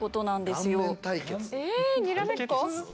えにらめっこ？